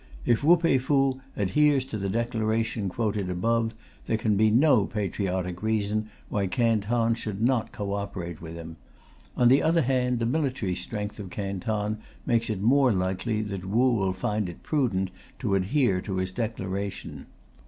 If Wu Pei Fu adheres to the declaration quoted above, there can be no patriotic reason why Canton should not co operate with him; on the other hand, the military strength of Canton makes it more likely that Wu will find it prudent to adhere to his declaration.